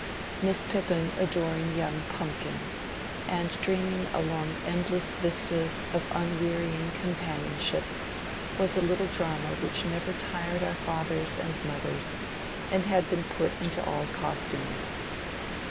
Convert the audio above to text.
Miss Pippin adoring young Pumpkin, and dreaming along endless vistas of unwearying companionship, was a little drama which never tired our fathers and mothers, and had been put into all costumes.